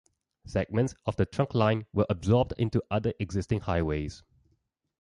Segments of the trunkline were absorbed into other existing highways.